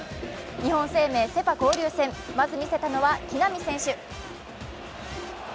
日本生命セ・パ交流戦、まず見せたのは木浪選手。